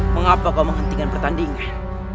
mengapa kau menghentikan pertandingan